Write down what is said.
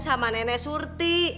sama nenek surti